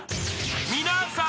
［皆さん。